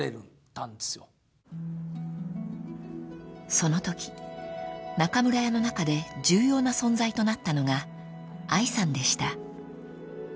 ［そのとき中村屋の中で重要な存在となったのが愛さんでした］